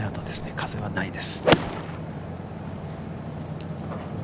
風はないです。